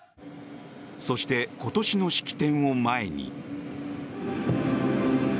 そして、今年の式典を前に。